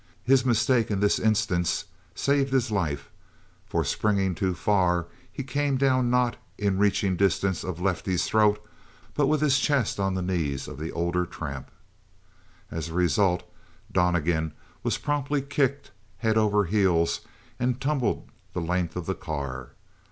His mistake in this instance saved his life, for springing too far, he came down not in reaching distance of Lefty's throat, but with his chest on the knees of the older tramp. As a result, Donnegan was promptly kicked head over heels and tumbled the length of the car.